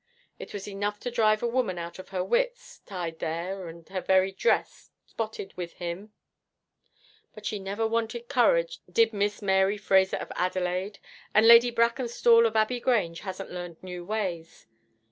It was enough to drive a woman out of her wits, tied there, and her very dress spotted with him, but she never wanted courage, did Miss Mary Fraser of Adelaide and Lady Brackenstall of Abbey Grange hasn't learned new ways.